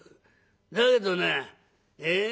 だけどなええ？